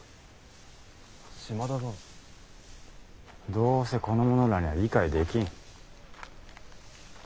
どうせこの者らには理解できん。